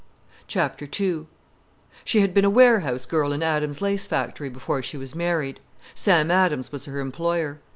II She had been a warehouse girl in Adams's lace factory before she was married. Sam Adams was her employer.